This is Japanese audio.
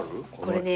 これね。